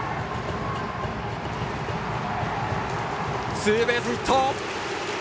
ツーベースヒット。